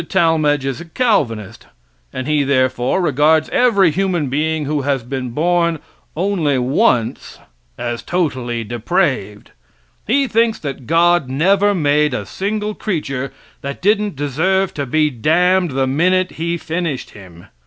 Talmage is a Calvinist, and he therefore regards every human being who has been born only once as totally depraved. He thinks that God never made a single creature that didn't deserve to be damned the minute He finished him.